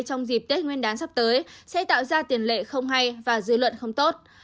trong dịp tết nguyên đán sắp tới sẽ tạo ra tiền lệ không hay và dư luận không tốt